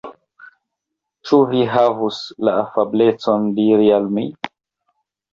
Ĉu vi havus la afablecon diri al mi.